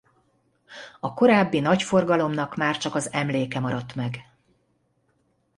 A korábbi nagy forgalomnak már csak az emléke maradt meg.